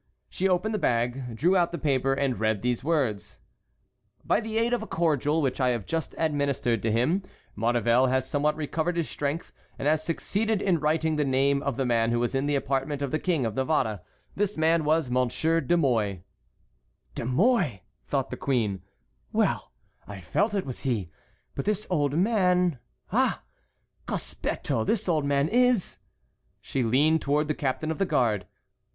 She opened the bag, drew out the paper, and read these words: "By the aid of a cordial which I have just administered to him Maurevel has somewhat recovered his strength, and has succeeded in writing the name of the man who was in the apartment of the King of Navarre. This man was Monsieur de Mouy." "De Mouy!" thought the queen; "well, I felt it was he. But this old man—ah! cospetto!—this old man is"— She leaned toward the captain of the guard.